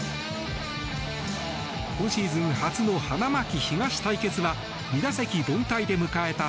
今シーズン初の花巻東対決は２打席凡退で迎えた